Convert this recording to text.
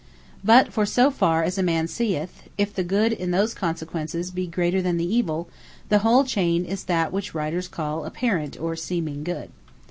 But for so far as a man seeth, if the Good in those consequences be greater than the evill, the whole chain is that which Writers call Apparent or Seeming Good.